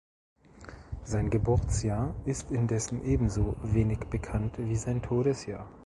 Sein Geburtsjahr ist indessen ebenso wenig bekannt wie sein Todesjahr.